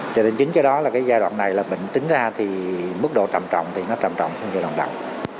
cho nên chính cái đó là cái giai đoạn này là bệnh tính ra thì mức độ trầm trọng thì nó trầm trọng hơn giai đoạn đầu